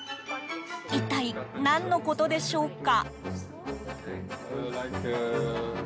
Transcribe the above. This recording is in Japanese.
一体何のことでしょうか？